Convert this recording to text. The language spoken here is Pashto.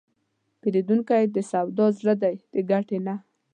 پیرودونکی د سودا زړه دی، د ګټې نه.